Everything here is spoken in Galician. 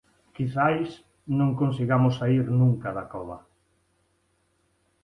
Quizais non consigamos saír nunca da cova.